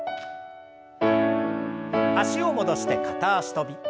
脚を戻して片脚跳び。